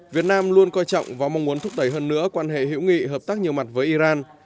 việt nam luôn coi trọng và mong muốn thúc đẩy hơn nữa quan hệ hữu nghị hợp tác nhiều mặt với iran